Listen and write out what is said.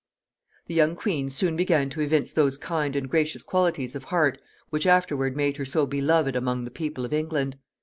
The young queen soon began to evince those kind and gracious qualities of heart which afterward made her so beloved among the people of England.